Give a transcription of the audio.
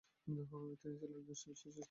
তিনি ছিলেন একজন বিশিষ্ট ইসলামী পণ্ডিত।